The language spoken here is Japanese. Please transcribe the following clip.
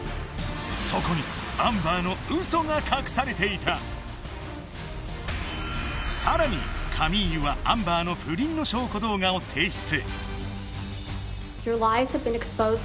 そこにアンバーの嘘が隠されていたさらにカミーユはアンバーの不倫の証拠動画を提出